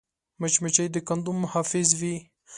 مچمچۍ د کندو محافظ وي